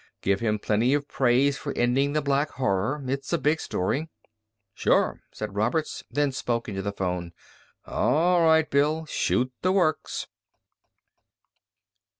Give him plenty of praise for ending the Black Horror. It's a big story." "Sure," said Roberts, then spoke into the phone: "All right, Bill, shoot the works."